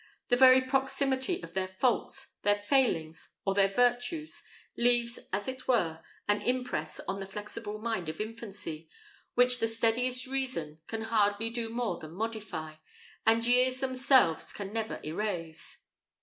The very proximity of their faults, their failings, or their virtues, leaves, as it were, an impress on the flexible mind of infancy, which the steadiest reason can hardly do more than modify, and years themselves can never erase.